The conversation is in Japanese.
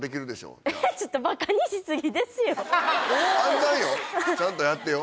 はい暗算よちゃんとやってよ